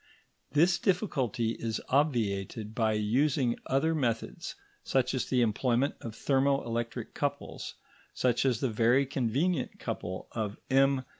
This difficulty is obviated by using other methods, such as the employment of thermo electric couples, such as the very convenient couple of M.